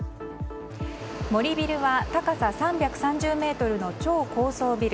森ビルは高さ３３０ｍの超高層ビル。